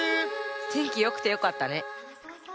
てんきよくてよかったね。